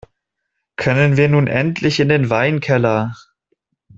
Können wir nun endlich in den Weinkeller?